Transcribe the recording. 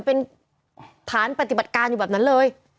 เป็นฐานปฏิบัติการอยู่แบบนั้นเลย